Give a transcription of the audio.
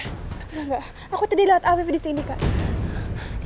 nggak nggak aku tadi lihat afif di sini kak